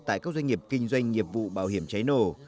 tại các doanh nghiệp kinh doanh nghiệp vụ bảo hiểm cháy nổ